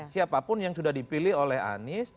siapapun yang sudah dipilih oleh anies